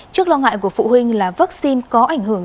trước lo ngại của phụ huynh là vaccine có ảnh hưởng